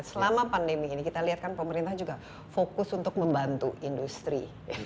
selama pandemi ini kita lihat kan pemerintah juga fokus untuk membantu industri